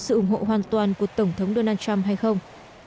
sự ủng hộ hoàn toàn của tổng thống donald trump hay không